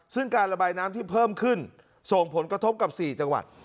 ซึ่งการระบายน้ำที่เพิ่มขึ้นส่งผลกระทบกับ๔จังหวัด